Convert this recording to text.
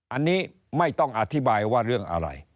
อันนี้ไม่ต้องอธิบายว่าเรื่องอะไร